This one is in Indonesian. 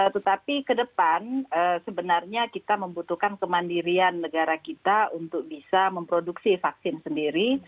tetapi ke depan sebenarnya kita membutuhkan kemandirian negara kita untuk bisa memproduksi vaksin sendiri